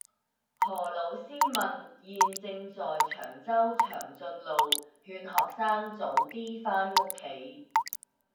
何老師問現正在長洲長俊路勸學生早啲返屋企